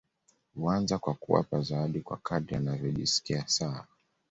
Huanza kwa kuwapa zawadi kwa kadri anavyojisikia sawa